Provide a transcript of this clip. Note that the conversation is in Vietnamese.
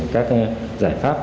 các giải pháp